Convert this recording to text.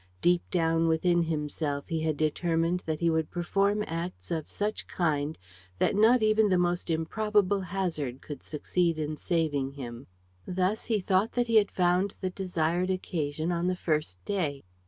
Deep down within himself he had determined that he would perform acts of such kind that not even the most improbable hazard could succeed in saving him. Thus he thought that he had found the desired occasion on the first day.